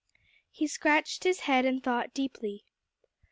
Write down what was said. He scratched his head and thought deeply.